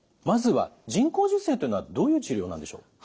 まずは人工授精というのはどういう治療なんでしょう？